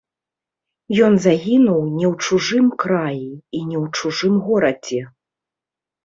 Ён загінуў не ў чужым краі, і не ў чужым горадзе.